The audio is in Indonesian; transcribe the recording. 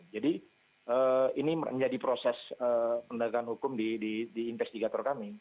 jadi ini menjadi proses penderitaan hukum di investigator kami